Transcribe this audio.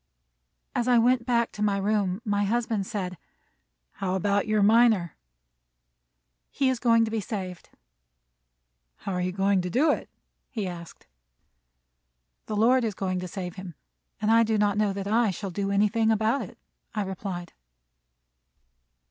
As I went back to my room, my husband said: "How about your miner?" "He is going to be saved." "How are you going to do it? he asked. "The Lord is going to save him; and I do not know that I shall do anything about it," I replied.